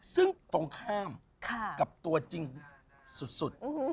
ซึ่งตรงข้ามกับตัวจริงสุด